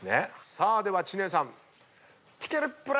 さあでは知念さん。